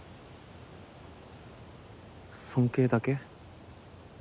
尊敬だけ？